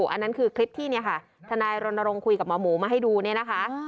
อันนั้นคือคลิปที่เนี่ยค่ะทนายรณรงค์คุยกับหมอหมูมาให้ดูเนี่ยนะคะ